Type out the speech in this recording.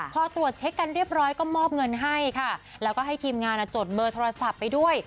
พอตรวจเช็คกันเรียบร้อยก็มอบเงินให้ค่ะแล้วก็ให้ทีมงานจดเบอร์โทรศัพท์ไปด้วย